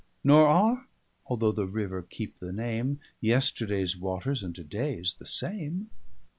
Nor are, (although the river keepe the name) 395 Yesterdaies waters, and to daies the same.